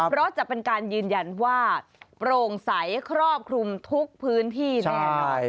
เพราะจะเป็นการยืนยันว่าโปร่งใสครอบคลุมทุกพื้นที่แน่นอน